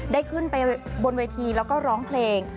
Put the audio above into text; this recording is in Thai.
ได้ขึ้นไปบนเวทีแล้วก็ร้องเพลง